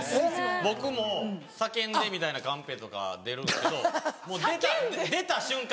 僕も「叫んで」みたいなカンペとか出るんですけどもう出た瞬間